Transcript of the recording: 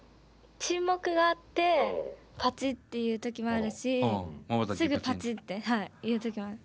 沈黙があってパチっていう時もあるしすぐパチっていう時もある。